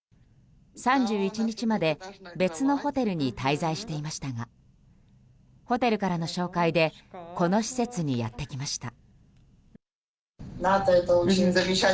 ３１日まで別のホテルに滞在していましたがホテルからの紹介でこの施設にやってきました。